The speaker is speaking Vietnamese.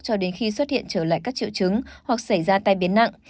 cho đến khi xuất hiện trở lại các triệu chứng hoặc xảy ra tai biến nặng